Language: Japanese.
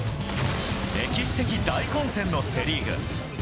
歴史的大混戦のセ・リーグ。